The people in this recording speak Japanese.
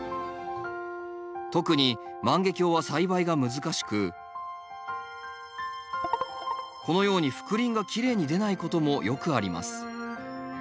特に万華鏡は栽培が難しくこのように覆輪がきれいに出ないこともよくあります。